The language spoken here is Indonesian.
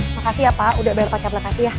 makasih ya pak udah bayar empat cap lakasi ya